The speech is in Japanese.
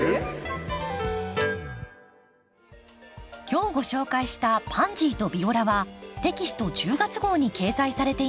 今日ご紹介した「パンジーとビオラ」はテキスト１０月号に掲載されています。